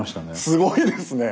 すごいですね。